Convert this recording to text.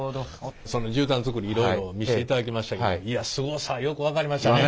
その絨毯づくりいろいろ見していただきましたけどいやすごさよく分かりましたね。